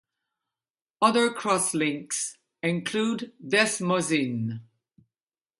Other crosslinks include desmosine.